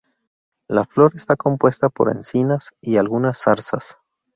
La flora está compuesta por encinas y algunas zarzas.